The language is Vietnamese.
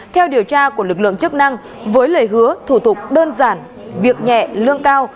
theo điều tra của lực lượng chức năng với lời hứa thủ tục đơn giản việc nhẹ lương cao